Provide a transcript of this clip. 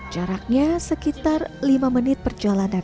jaraknya sekitar lima menit perjalanan